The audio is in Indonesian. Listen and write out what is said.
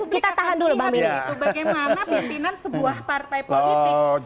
kita tahan dulu bang benny